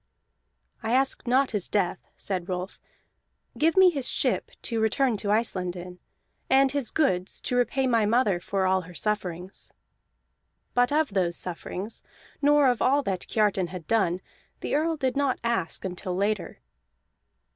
"I ask not his death," said Rolf. "Give me his ship to return to Iceland in, and his goods to repay my mother for all her sufferings." But of those sufferings, nor of all that Kiartan had done, the Earl did not ask until later.